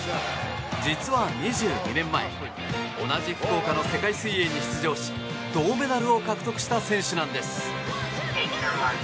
実は２２年前同じ福岡の世界水泳に出場し銅メダルを獲得した選手なんです。